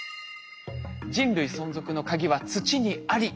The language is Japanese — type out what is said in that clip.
「人類存続のカギは土にあり！」。